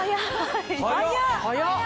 早っ！